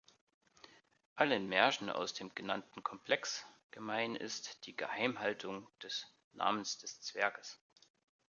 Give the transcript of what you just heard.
Allen Märchen aus dem genannten Komplex gemein ist die "Geheimhaltung" des Namens des Zwerges.